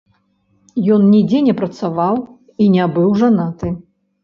Ён нідзе не працаваў і не быў жанаты.